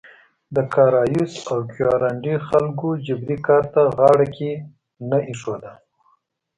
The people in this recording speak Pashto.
د کارایوس او کیورانډي خلکو جبري کار ته غاړه کې نه ایښوده.